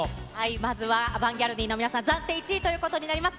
まずはアバンギャルディの皆さん、暫定１位ということになります。